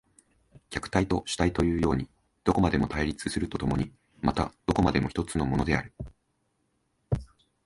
客体と主体というようにどこまでも対立すると共にまたどこまでも一つのものである。